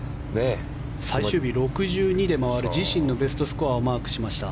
最終日６２で回る自身のベストスコアをマークしました。